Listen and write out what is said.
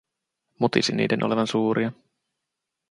Mutisi niiden olevan suuria.